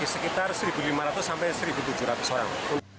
sekitar satu lima ratus sampai satu tujuh ratus orang